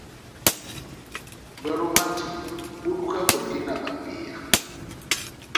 Bwalo bwa ntindi bó dukakwɛndi na bapeya.